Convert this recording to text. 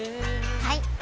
はい！